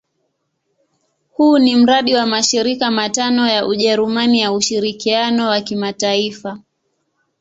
Huu ni mradi wa mashirika matano ya Ujerumani ya ushirikiano wa kimataifa.